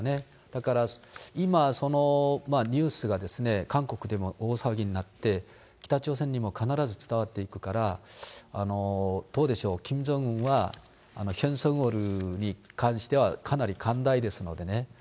だから、今、そのニュースが韓国でも大騒ぎになって、北朝鮮にも必ず伝わっていくから、どうでしょう、キム・ジョンウンは、ヒョン・ソンウォルに関してはかなり寛大ですのでね。